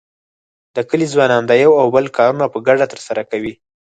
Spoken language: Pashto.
د کلي ځوانان د یو او بل کارونه په ګډه تر سره کوي.